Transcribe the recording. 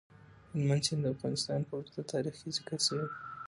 هلمند سیند د افغانستان په اوږده تاریخ کې ذکر شوی دی.